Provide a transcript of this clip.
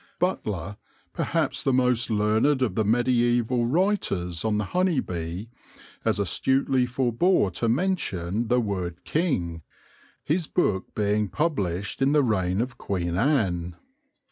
Butler, perhaps the most learned of the mediaeval writers on the honey bee, as astutely forbore to mention the word king, his book being published in the reign of Queen Anne.